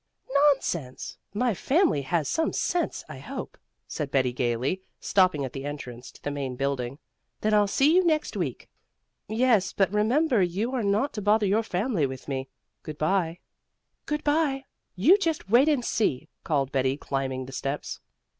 "Nonsense! My family has some sense, I hope," said Betty gaily, stopping at the entrance to the Main Building. "Then I'll see you next week." "Yes, but remember you are not to bother your family with me. Good bye." "Good bye. You just wait and see!" called Betty, climbing the steps.